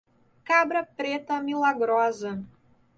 Cabra preta milagrosa